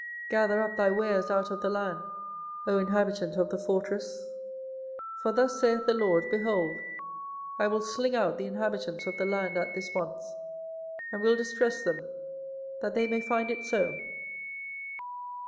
24:010:017 Gather up thy wares out of the land, O inhabitant of the fortress. 24:010:018 For thus saith the LORD, Behold, I will sling out the inhabitants of the land at this once, and will distress them, that they may find it so.